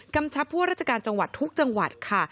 ชับผู้ว่าราชการจังหวัดทุกจังหวัดค่ะ